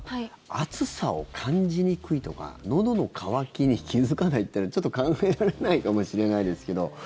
暑さを感じにくいとかのどの渇きに気付かないっていうのはちょっと考えられないかもしれないですけど。